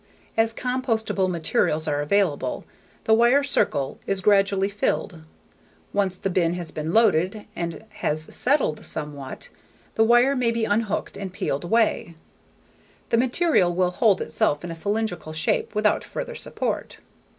As compostable materials are available, the wire circle is gradually filled. Once the bin has been loaded and has settled somewhat, the wire may be unhooked and peeled away; the material will hold itself in a cylindrical shape without further support.